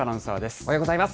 おはようございます。